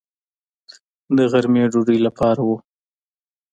د غرمې ډوډۍ لپاره و.